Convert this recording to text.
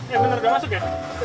ya bener udah masuk ya